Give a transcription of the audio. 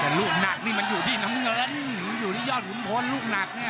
ที่รูปหนักนี่มันอยู่ที่น้ำเหงิรหนาอยู่ย้อนขุนท้วนรูปหนักเนี่ย